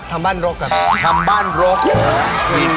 ทำงานบ้านด้วย